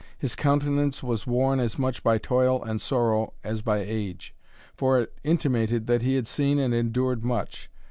His countenance was worn as much by toil and sorrow as by age, for it intimated that he had seen and endured much.